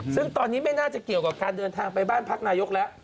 ซึ่งตอนนี้ไม่น่าจะเกี่ยวกับการเดินทางไปบ้านพักนายกแล้ว